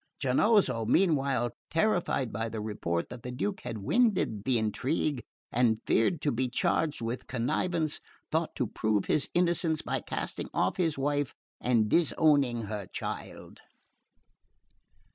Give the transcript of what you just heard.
Giannozzo, meanwhile, terrified by the report that the Duke had winded the intrigue, and fearing to be charged with connivance, thought to prove his innocence by casting off his wife and disowning her child.